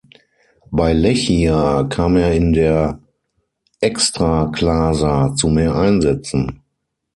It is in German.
Bei Lechia kam er in der Ekstraklasa zu mehr Einsätzen.